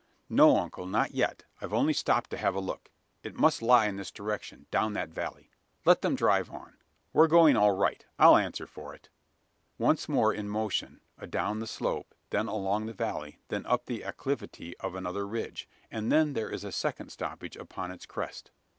"No uncle not yet. I've only stopped to have a look. It must lie in this direction down that valley. Let them drive on. We're going all right I'll answer for it." Once more in motion adown the slope then along the valley then up the acclivity of another ridge and then there is a second stoppage upon its crest.